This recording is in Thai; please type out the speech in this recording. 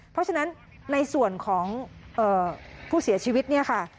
เพราะฉะนั้นในส่วนของผู้เสียชีวิตเนี่ยค่ะ